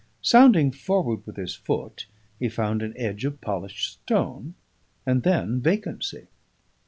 Sounding forward with his foot, he found an edge of polished stone, and then vacancy.